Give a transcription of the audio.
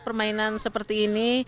permainan seperti ini